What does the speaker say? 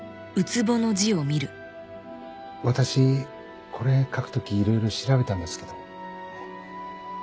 私これ書く時いろいろ調べたんですけどね。